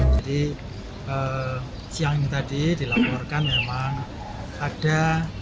siang ini tadi dilaporkan memang ada